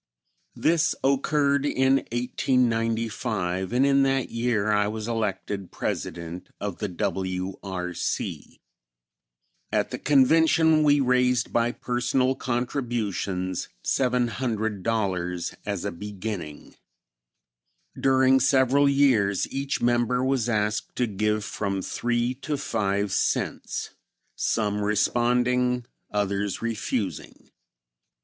This occurred in 1895, and in that year I was elected President of the W. R. C. At the convention we raised by personal contributions $700 as a beginning. During several years each member was asked to give from three to five cents; some responding, others refusing.